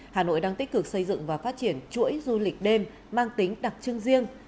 hà nội đang tích cực xây dựng và phát triển chuỗi du lịch đêm mang tính đặc trưng riêng